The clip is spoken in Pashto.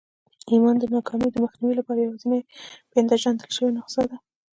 ايمان د ناکامۍ د مخنيوي لپاره يوازېنۍ پېژندل شوې نسخه ده.